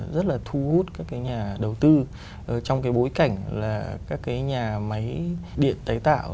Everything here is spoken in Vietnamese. rất là thu hút các cái nhà đầu tư trong cái bối cảnh là các cái nhà máy điện tái tạo